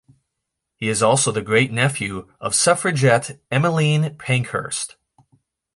He is also a great-nephew of suffragette Emmeline Pankhurst.